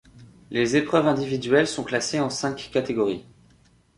Les épreuves individuelles sont classées en cinq catégories.